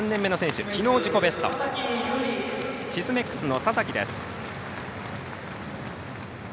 シスメックスの田崎です。